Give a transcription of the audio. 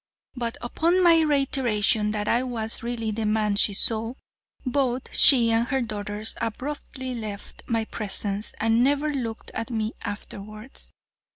But upon my reiteration that I was really the man she saw, both she and her daughters abruptly left my presence and never looked at me afterwards.